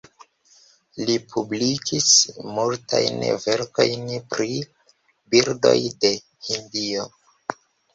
Li publikis multajn verkojn pri birdoj de Hindio.